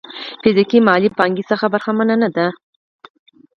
فزيکي مالي پانګې څخه برخمن نه دي.